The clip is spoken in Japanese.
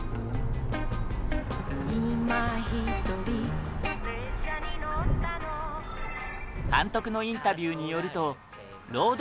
「今ひとり列車に乗ったの」監督のインタビューによるとロード